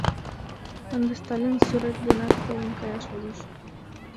Ынде Сталин сӱрет денак колен каяш возеш.